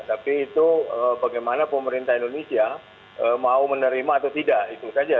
tapi itu bagaimana pemerintah indonesia mau menerima atau tidak itu saja